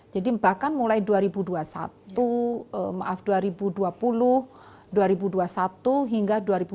jadi bahkan mulai dua ribu dua puluh satu maaf dua ribu dua puluh dua ribu dua puluh satu hingga dua ribu dua puluh dua